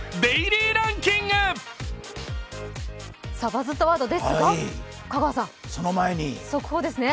バズったワードですが香川さん、速報ですね。